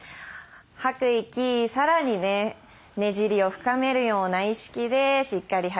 吐く息さらにねねじりを深めるような意識でしっかり吐きましょう。